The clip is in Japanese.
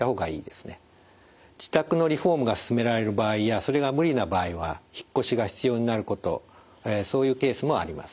自宅のリフォームがすすめられる場合やそれが無理な場合は引っ越しが必要になることそういうケースもあります。